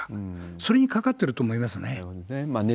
それに懸かってると思いますね。